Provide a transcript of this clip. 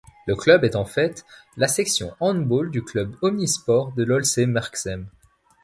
Le club est en fait, la section handball du club omnisports de l'Olse Merksem.